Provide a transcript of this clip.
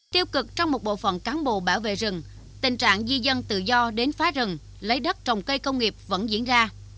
tiêu cực trong một bộ phận cán bộ bảo vệ rừng tình trạng di dân tự do đến phá rừng lấy đất trồng cây công nghiệp vẫn diễn ra